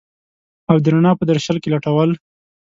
او د رڼا په درشل کي لټول